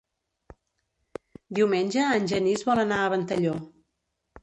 Diumenge en Genís vol anar a Ventalló.